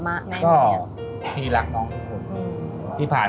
ไปที่๑๐๐บาท